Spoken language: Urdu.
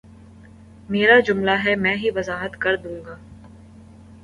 میرا جملہ ہے میں ہی وضاحت کر دوں گا